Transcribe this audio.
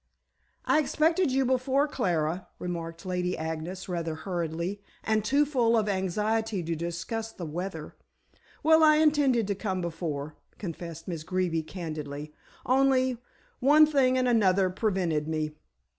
"I expected you before, Clara," remarked Lady Agnes rather hurriedly, and too full of anxiety to discuss the weather. "Well, I intended to come before," confessed Miss Greeby candidly. "Only, one thing and another prevented me!"